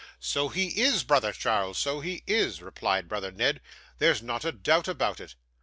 'So he is, brother Charles, so he is,' replied brother Ned. 'There's not a doubt about it.